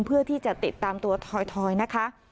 เพื่อที่จะติดตามตัวทอยนะคะ